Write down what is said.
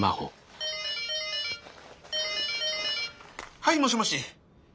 はいもしもし！